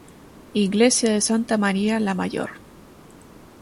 Iglesia de Santa María La Mayor.